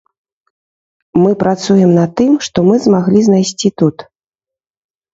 Мы працуем на тым, што мы змаглі знайсці тут.